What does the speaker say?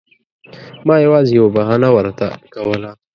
ما یوازې یوه بهانه ورته کوله.